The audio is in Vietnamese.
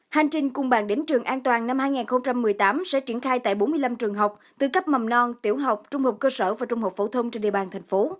hành trình cùng bạn đến trường an toàn năm hai nghìn một mươi tám sẽ triển khai tại bốn mươi năm trường học từ cấp mầm non tiểu học trung học cơ sở và trung học phổ thông trên địa bàn thành phố